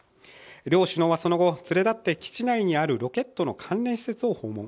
両首脳はその後、連れだって基地内にあるロケットの関連施設を訪問。